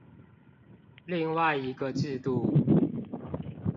另外一個制度